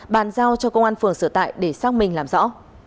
bàn giao cho công an phường sửa tại để xác minh làm rõ